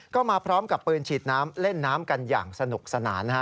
ก็มาพร้อมกับปืนฉีดน้ำเล่นน้ำกันอย่างสนุกสนาน